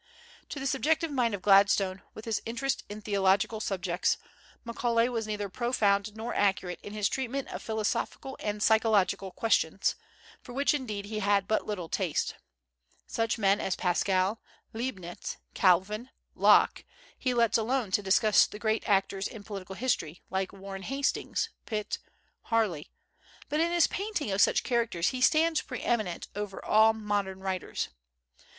To the subjective mind of Gladstone, with his interest in theological subjects, Macaulay was neither profound nor accurate in his treatment of philosophical and psychological questions, for which indeed he had but little taste. Such men as Pascal, Leibnitz, Calvin, Locke, he lets alone to discuss the great actors in political history, like Warren Hastings, Pitt, Harley; but in his painting of such characters he stands pre eminent over all modern writers.